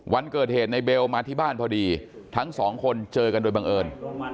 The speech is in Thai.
วันเกิดเหตุในเบลมาที่บ้านพอดีทั้งสองคนเจอกันโดยบังเอิญ